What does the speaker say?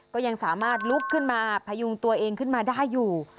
ก็ยังสามารถลุกขึ้นมาพยุงตัวเองขึ้นมาได้อยู่